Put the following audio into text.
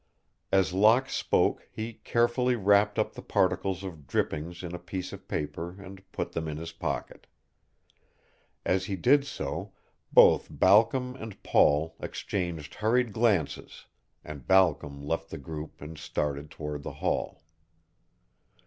As Locke spoke he carefully wrapped up the particles of drippings in a piece of paper and put them in his pocket. As he did so, both Balcom and Paul exchanged hurried glances, and Balcom left the group and started toward the hall.